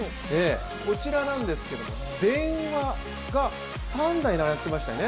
こちらなんですけれども電話が３台並んでいましたよね。